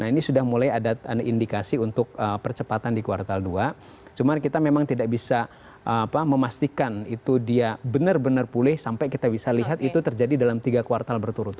nah ini sudah mulai ada indikasi untuk percepatan di kuartal dua cuman kita memang tidak bisa memastikan itu dia benar benar pulih sampai kita bisa lihat itu terjadi dalam tiga kuartal berturut